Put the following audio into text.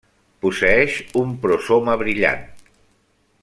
Posseeix un prosoma brillant.